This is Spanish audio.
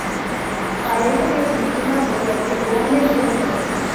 Parece que funciona, por lo que Boone cuenta.